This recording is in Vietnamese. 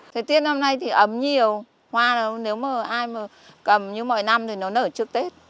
thời tiết năm nay thì ấm nhiều hoa nếu mà ai mà cầm như mọi năm thì nó nở trước tết